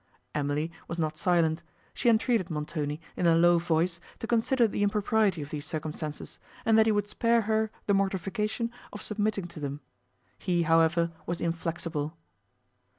Emily was not silent; she entreated Montoni, in a low voice, to consider the impropriety of these circumstances, and that he would spare her the mortification of submitting to them; he, however, was inflexible.